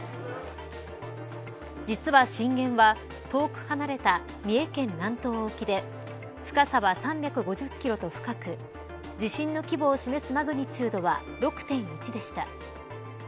実は、震源は遠く離れた、三重県南東沖で深さは３５０キロと深く地震の規模を示すマグニチュードは６．１でした。